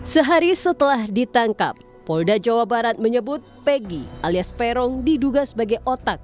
sehari setelah ditangkap polda jawa barat menyebut pegi alias peron diduga sebagai otak